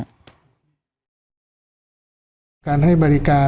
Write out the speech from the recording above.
คุณธรรมนัฐลงไปแบบว่าดูการ